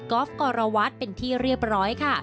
กอล์ฟกอล์ราวัสเป็นที่เรียบร้อยค่ะ